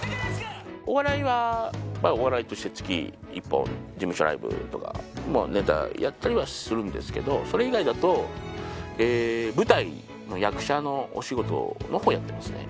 お笑いはお笑いとして月１本事務所ライブとかネタをやったりはするんですけどそれ以外だと舞台の役者のお仕事のほうをやっていますね。